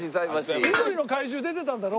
緑の怪獣出てたんだろ？